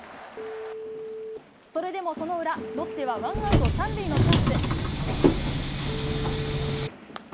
それでもその裏、ロッテはワンアウト３塁のチャンス。